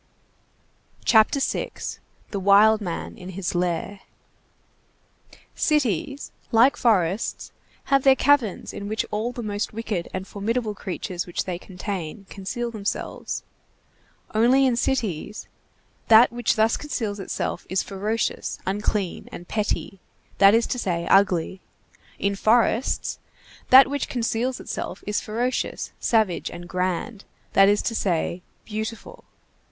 CHAPTER VI—THE WILD MAN IN HIS LAIR Cities, like forests, have their caverns in which all the most wicked and formidable creatures which they contain conceal themselves. Only, in cities, that which thus conceals itself is ferocious, unclean, and petty, that is to say, ugly; in forests, that which conceals itself is ferocious, savage, and grand, that is to say, beautiful.